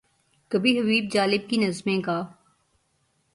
کبھی حبیب جالب کی نظمیں گا۔